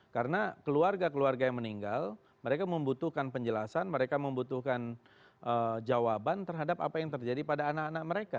karena keluarga keluarga yang meninggal mereka membutuhkan penjelasan mereka membutuhkan jawaban terhadap apa yang terjadi pada anak anak mereka